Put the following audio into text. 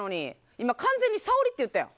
今、完全にさおりって言ったやん。